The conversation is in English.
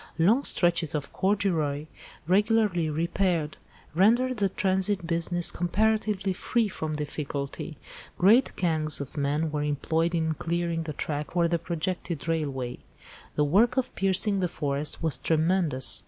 Long stretches of corduroy, regularly repaired, rendered the transit business comparatively free from difficulty. Great gangs of men were employed in clearing the track for the projected railway. The work of piercing the forest was tremendous.